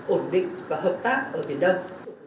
ổn định và hợp tác ở biển đông